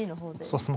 そうです。